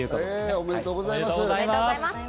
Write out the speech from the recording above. おめでとうございます。